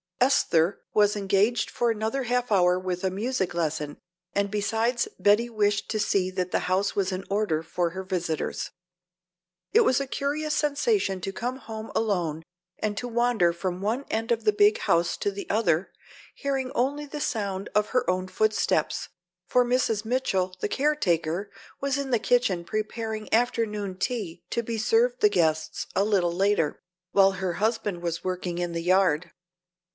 Esther was engaged for another half hour with a music lesson and besides Betty wished to see that the house was in order for her visitors. It was a curious sensation to come home alone and to wander from one end of the big house to the other, hearing only the sound of her own footsteps, for Mrs. Mitchell, the caretaker, was in the kitchen preparing afternoon tea to be served the guests a little later, while her husband was working in the yard.